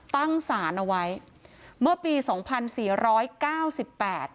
ตั้งสารเอาไว้เมื่อปีสองพันสี่ร้อยเก้าสิบแปด